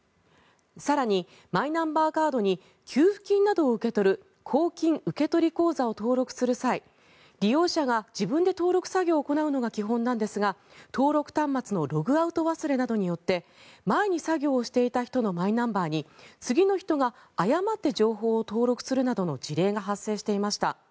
更に、マイナンバーカードに給付金などを受け取る公金受取口座を登録する際利用者が自分で登録作業を行うのが基本なんですが登録端末のログアウト忘れなどによって前に作業していた人のマイナンバーに次の人が誤って情報を登録するなどの事例が発生していました。